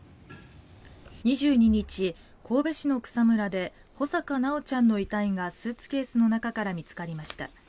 ２２日、神戸市の草むらで穂坂修ちゃんの遺体がスーツケースの中から見つかりました。